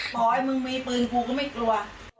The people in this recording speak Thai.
ขอให้มึงมีปืนกูก็ไม่กลัว